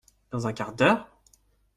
Dans un quart d’heure !